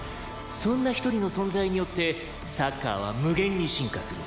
「そんな１人の存在によってサッカーは無限に進化する」